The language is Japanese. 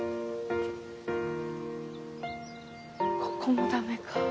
ここもダメか。